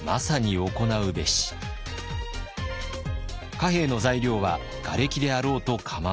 貨幣の材料は瓦礫であろうと構わない。